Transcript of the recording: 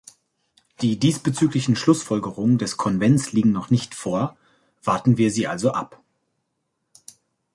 Die diesbezüglichen Schlussfolgerungen des Konvents liegen noch nicht vor, warten wir sie also ab.